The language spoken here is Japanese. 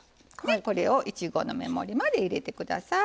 これを１合の目盛りまで入れてください。